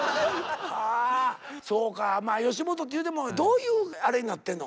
そうかまあ吉本っていうてもどういうあれになってんの？